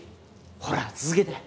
ほら続けて。